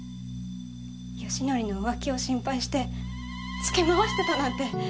義紀の浮気を心配してつけ回してたなんて